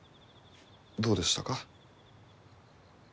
どうでしたか？